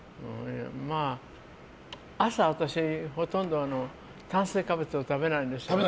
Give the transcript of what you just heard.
朝、私ほとんど炭水化物を食べないんですよ。